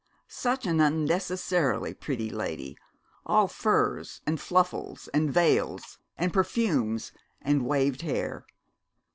Such an unnecessarily pretty lady, all furs and fluffles and veils and perfumes and waved hair!